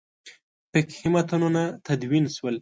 فقهي متنونه تدوین شول.